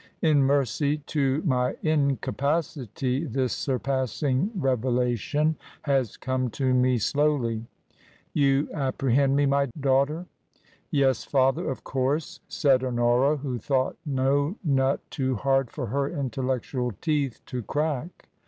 In mercy to my incapacity, this sur passing revelation has come to me slowly. You appre hend me, my daughter ?"" Yes, father ; of course," said Honora, who thought no nut too hard for her intellectual teeth to crack.